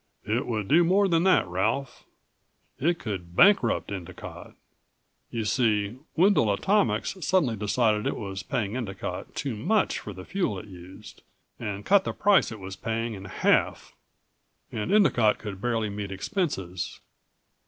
"It would do more than that, Ralph. It could bankrupt Endicott. You see, Wendel Atomics suddenly decided it was paying Endicott too much for the fuel it used, and cut the price it was paying in half. And Endicott could barely meet expenses."